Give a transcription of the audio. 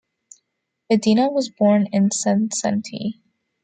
Medina was born in Sensenti.